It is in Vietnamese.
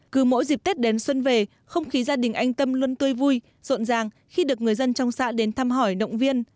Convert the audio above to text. cứ mỗi dịp tết đến xuân về không khí gia đình anh tâm luôn tươi vui rộn ràng khi được người dân trong xã đến thăm hỏi động viên